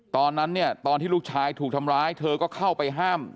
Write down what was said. ตอนนั้นเนี่ยตอนที่ลูกชายถูกทำร้ายเธอก็เข้าไปห้าม